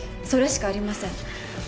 それしかありません。